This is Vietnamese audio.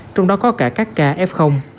trong đó có cả các cả f